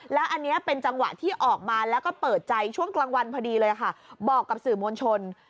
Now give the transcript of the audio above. แล้วอันนี้เป็นจังหวะที่ออกมาแล้วก็เปิดใจช่วงกลางวันพอดีเลยค่ะบอกกับสื่อมวลชน